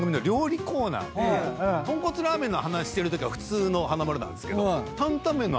とんこつラーメンの話してるときは普通の華丸なんすけど。